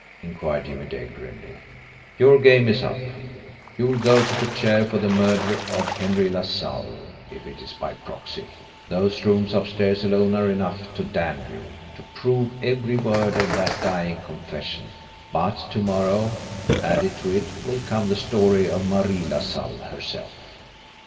inquired Jimmie Dale grimly. "Your game is up. You'll go to the chair for the murder of 'Henry LaSalle' if it is by proxy! Those rooms upstairs alone are enough to damn you, to prove every word of that dying 'confession' but to morrow, added to it, will come the story of Marie LaSalle herself."